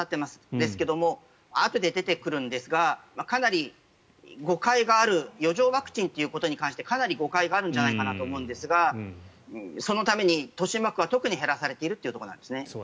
ですけどもあとで出てくるんですが余剰ワクチンということに関してかなり誤解があるんじゃないかなと思うんですがそのために豊島区は特に減らされているところですね。